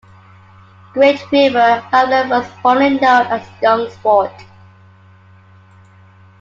Great River hamlet was formerly known as Youngsport.